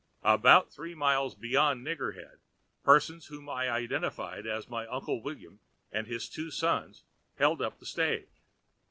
About three miles beyond Nigger Head, persons whom I identified as my Uncle William and his two sons held up the stage.